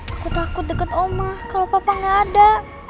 aku takut dekat oma kalau papa gak ada